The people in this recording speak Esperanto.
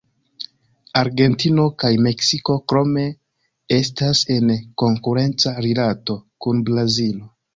Argentino kaj Meksiko krome estas en konkurenca rilato kun Brazilo.